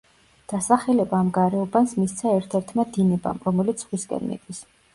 დასახელება ამ გარეუბანს მისცა ერთ-ერთმა დინებამ, რომელიც ზღვისკენ მიდის.